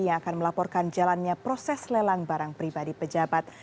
yang akan melaporkan jalannya proses lelang barang pribadi pejabat